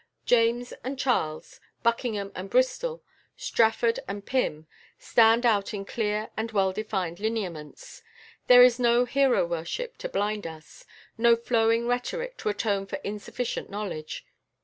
James and Charles, Buckingham and Bristol, Strafford and Pym, stand out in clear and well defined lineaments. There is no hero worship to blind us; no flowing rhetoric to atone for insufficient knowledge.